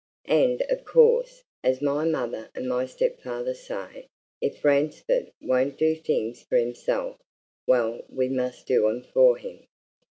And, of course, as my mother and my stepfather say, if Ransford won't do things for himself, well, we must do 'em for him!